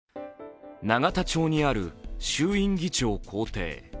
永田町にある衆院議長公邸。